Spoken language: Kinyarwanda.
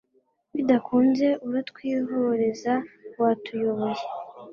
bidukanze uratwihoreza, watuyoboye